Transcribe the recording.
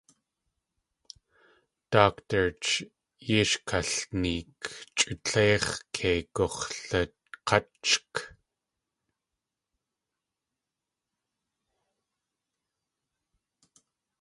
Doctor-ch yéi sh kalneek, chʼu tleix̲ kei gux̲lak̲áchk.